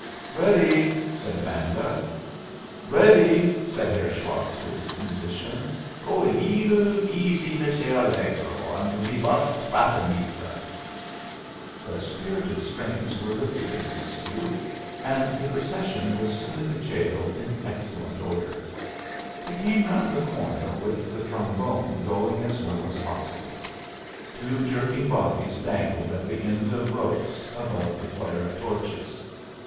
"Ready," said Amanda. "Ready," said Herr Schwartz to his musicians. "Go a leedle easy mit der Allegro, or we bust 'Fatinitza.'" The spirited strains were lifted in Siskiyou, and the procession was soon at the jail in excellent order. They came round the corner with the trombone going as well as possible. Two jerking bodies dangled at the end of ropes, above the flare of torches.